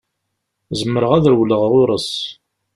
Zemreɣ ad rewleɣ ɣur-s.